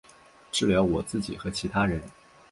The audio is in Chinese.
治疗我自己和其他人